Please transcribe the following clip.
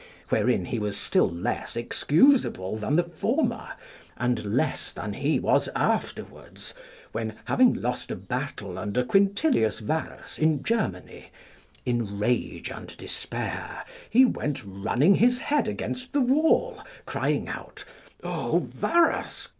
Wherein he was still less excusable than the former, and less than he was afterwards when, having lost a battle under Quintilius Varus in Germany, in rage and despair he went running his head against the wall, crying out, "O Varus!